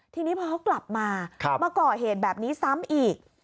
ทีนี้พอเขากลับมามาก่อเหตุแบบนี้ซ้ำอีก